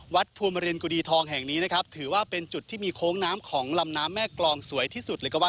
วัดภูมิ